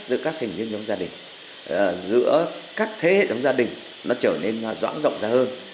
giữa các thành viên nhóm gia đình giữa các thế hệ nhóm gia đình nó trở nên rõ ra hơn